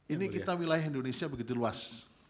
ini kita wilayah indonesia begitu luas